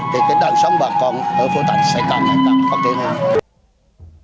thì cái đại sống bà con ở phố tạch sẽ càng càng càng càng kinh tế hơn